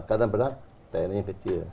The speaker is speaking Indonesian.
kata kata tni kecil